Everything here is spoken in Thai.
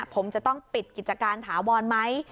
ผมจะต้องปิดกิจการถาวรไหม